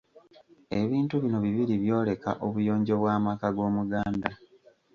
Ebintu bino bibiri byoleka obuyonjo bw’amaka g’omuganda.